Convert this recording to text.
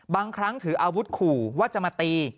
บางครั้งถืออาวุธขู่ว่าจะมาตี